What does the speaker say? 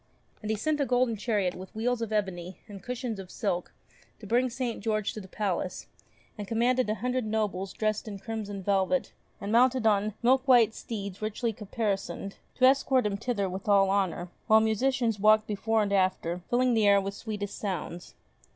And he sent a golden chariot with wheels of ebony and cushions of silk to bring St. George to the palace, and commanded a hundred nobles dressed in crimson velvet, and mounted on milk white steeds richly caparisoned, to escort him thither with all honour, while musicians walked before and after, filling the air with sweetest sounds.